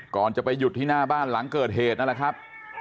ก่อนจะไปหยุดที่หน้าบ้านหลังเกิดเหตุนั่นแหละครับ